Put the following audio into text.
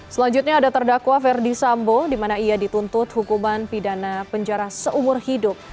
selanjutnya ada terdakwa ferdi sambo di mana ia dituntut hukuman pidana penjara seumur hidup